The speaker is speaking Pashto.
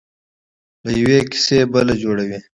له یوې کیسې بله جوړوي.